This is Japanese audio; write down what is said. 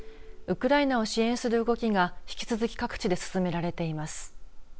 ウクライナを支援する動きが引き続き各地で進められています。